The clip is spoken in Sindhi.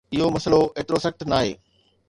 اهو مسئلو ايترو سخت ناهي